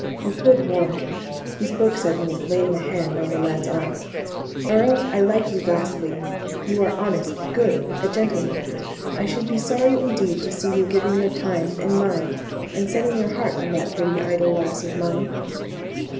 He could warn. He spoke suddenly, laying a hand on the lad's arm. "Earle, I like you vastly. You are honest, good, a gentleman. I should be sorry indeed to see you giving your time, and mind, and setting your heart on that pretty, idle lass of mine."